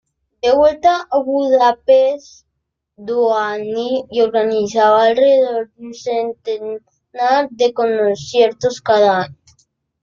De vuelta a Budapest, Dohnányi organizaba alrededor de un centenar de conciertos cada año.